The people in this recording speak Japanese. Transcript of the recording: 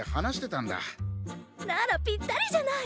ならぴったりじゃない。